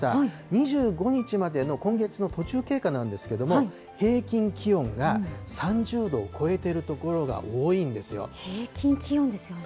２５日までの今月の途中経過なんですけど、平均気温が３０度を超平均気温ですよね。